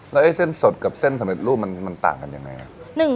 แล้วไอ้เส้นสดกับเส้นสำเร็จรูปมันต่างกันยังไง